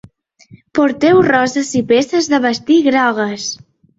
Porteu roses i peces de vestir grogues.